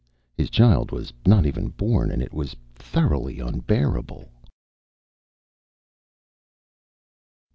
His child was not even born and it was thoroughly unbearable!